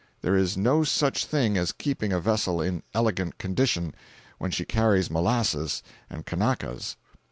There is no such thing as keeping a vessel in elegant condition, when she carries molasses and Kanakas.